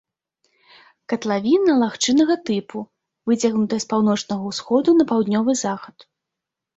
Катлавіна лагчыннага тыпу, выцягнутая з паўночнага ўсходу на паўднёвы захад.